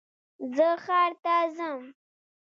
زه ښار ته ځم